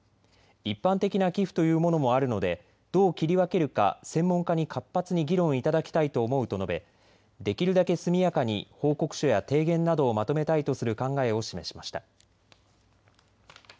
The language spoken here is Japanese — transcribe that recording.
一般的な寄付というものもあるので、どう切り分けるか専門家に活発に議論いただきたいと思うと述べできるだけ速やかに報告書や提言などをまとめたいとする考えを示しました。